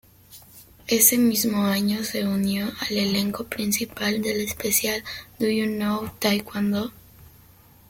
Ese mismo año se unió al elenco principal del especial "Do You Know Taekwondo?